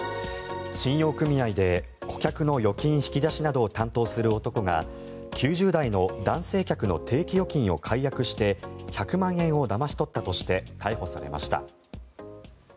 信用組合で顧客の預金引き出しなどを担当する男が９０代の男性客の定期預金を解約して１００万円をだまし取ったとして逮捕されました。